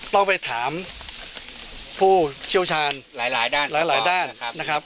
ต้องไปถามผู้เชี่ยวชาญหลายด้านหลายด้านนะครับ